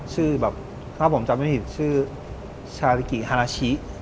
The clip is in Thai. ชื่อแบบถ้าผมจำไม่ผิดชื่อชาริกิฮานาชิ